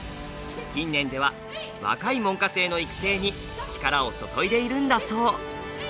近年では若い門下生の育成に力を注いでいるんだそう。